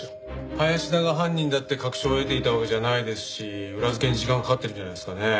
林田が犯人だって確証を得ていたわけじゃないですし裏付けに時間かかってるんじゃないですかね。